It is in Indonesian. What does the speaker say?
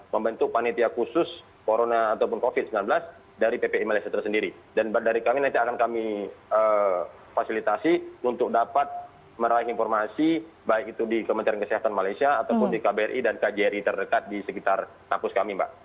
membentuk panitia khusus corona ataupun covid sembilan belas dari ppi malaysia tersendiri dan dari kami nanti akan kami fasilitasi untuk dapat meraih informasi baik itu di kementerian kesehatan malaysia ataupun di kbri dan kjri terdekat di sekitar kampus kami mbak